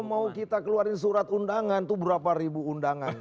mau kita keluarin surat undangan itu berapa ribu undangan